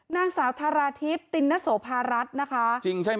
นางสาวทาราธิบตินนโสภารัฐนะคะ